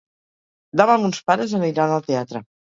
Demà mons pares aniran al teatre.